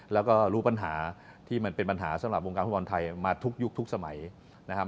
แล้วก็รู้ปัญหาที่มันเป็นปัญหาสำหรับวงการฟุตบอลไทยมาทุกยุคทุกสมัยนะครับ